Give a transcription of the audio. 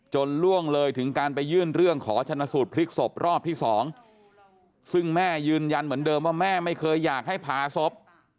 ล่วงเลยถึงการไปยื่นเรื่องขอชนะสูตรพลิกศพรอบที่๒ซึ่งแม่ยืนยันเหมือนเดิมว่าแม่ไม่เคยอยากให้ผ่าศพ